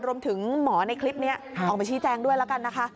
รวมถึงหมอในคลิปนี้ออกมาชี้แจงด้วยแล้วกันนะคะ